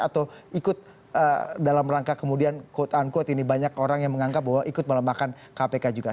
atau ikut dalam rangka kemudian quote unquote ini banyak orang yang menganggap bahwa ikut melemahkan kpk juga